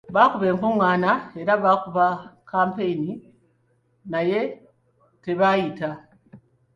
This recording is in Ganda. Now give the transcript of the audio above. Bakuba enkungaana era bakuba kkampeyini naye tabayita.